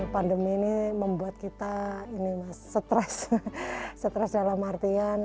pandemi ini membuat kita stres dalam harian